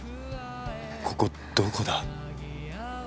ここどこだ？